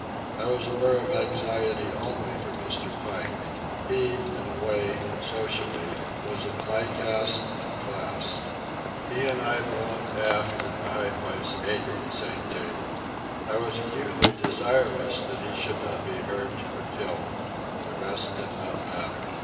I was aware of anxiety only for Mr. Pike. He, in a way, socially, was of my caste and class. He and I belonged aft in the high place; ate at the same table. I was acutely desirous that he should not be hurt or killed. The rest did not matter.